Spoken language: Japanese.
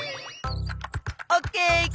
オッケー！